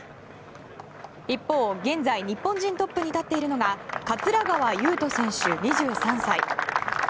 一方、現在日本人トップに立っているのが桂川有人選手、２３歳。